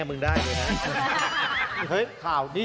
มองนานนาน